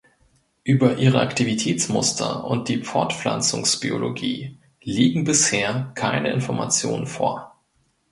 Über ihre Aktivitätsmuster und die Fortpflanzungsbiologie liegen bisher keine Informationen vor.